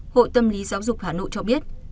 hội tâm lý giáo dục hà nội cho biết